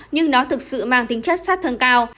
nhưng nó thực sự mang tính chất sát thương cao